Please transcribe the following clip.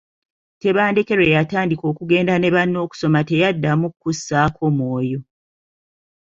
Tebandeke lwe yatandika okugenda ne banne okusoma teyaddamu kussaako mwoyo.